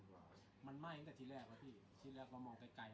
โปรดติดตามต่อไป